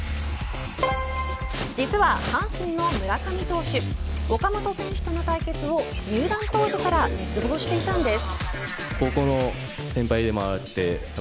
実は阪神の村上投手岡本選手との対決を入団当初から熱望していたんです。